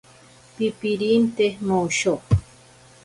Pipirinte mosho.